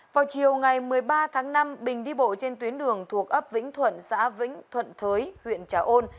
vào chiều ngày một mươi ba tháng năm bình đi bộ trên tuyến đường thuộc ấp vĩnh thuận xã vĩnh thuận thới huyện trà ôn